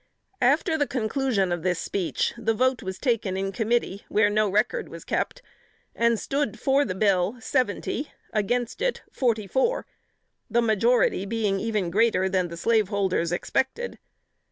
After the conclusion of this speech, the vote was taken in committee, where no record was kept, and stood for the bill seventy, against it forty four the majority being even greater than the slaveholders expected.